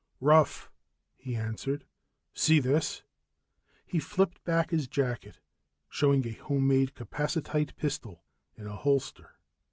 "Rough," he answered. "See this?" He flipped back his jacket, showing a homemade capacitite pistol in a holster.